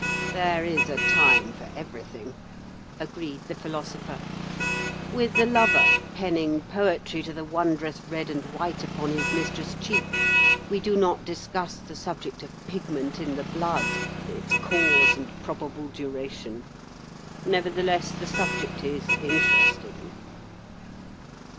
"There is a time for everything," agreed the Philosopher. "With the lover, penning poetry to the wondrous red and white upon his mistress' cheek, we do not discuss the subject of pigment in the blood, its cause and probable duration. Nevertheless, the subject is interesting."